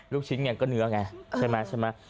ลูกชิ้นไงก็เนื้อไงใช่ไหมใช่ไหม